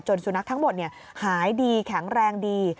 สุนัขทั้งหมดหายดีแข็งแรงดี